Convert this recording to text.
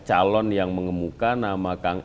calon yang mengemuka nama kang